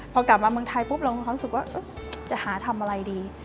พอกลับมาเมืองไทยปุ๊บเรามีความรู้สึกว่าจะหาทำอะไรดี